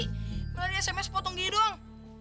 padahal dia sms potong gilu doang